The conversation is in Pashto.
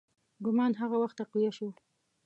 ګومان هغه وخت تقویه شو.